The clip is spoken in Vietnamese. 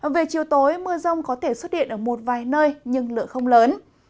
về chiều tối mưa rông có thể xuất hiện ở một vài nơi nhưng lượng không lớn